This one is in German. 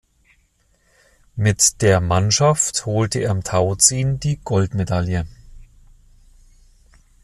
Mit der Mannschaft holte er im Tauziehen die Goldmedaille.